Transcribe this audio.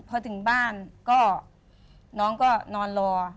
พอถึงบ้านก็น้องก็นอนรอ